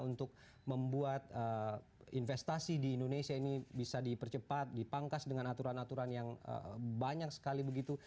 untuk membuat investasi di indonesia ini bisa dipercepat dipangkas dengan aturan aturan yang banyak sekali begitu